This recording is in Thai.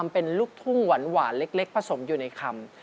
เป็นลูกทุ่งหวานเล็กผสมอยู่ในคำ